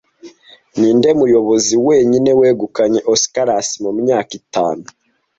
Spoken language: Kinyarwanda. Ninde muyobozi wenyine wegukanye Oscars mu myaka itanu